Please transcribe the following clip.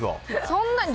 そんなに？